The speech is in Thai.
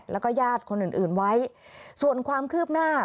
แล้วก็ญาติคนอื่นอื่นไว้ส่วนความคืบหน้า